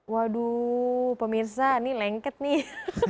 waduh pemirsa ini lengket nih